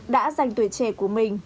đã dành tuổi trẻ của mình